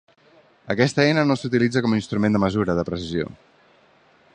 Aquesta eina no s'utilitza com a instrument de mesura de precisió.